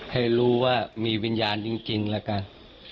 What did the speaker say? ให้รู้ว่ามีวิญญาณจริงแล้วกัน